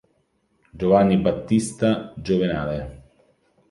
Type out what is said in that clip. Giovanni Battista Giovenale